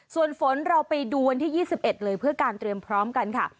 ส่วนฝนเราไปดูวันที่๒๑เลยเพื่อการเตรียมพร้อมกันค่ะ